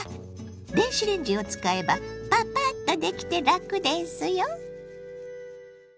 電子レンジを使えばパパッとできて楽ですよ。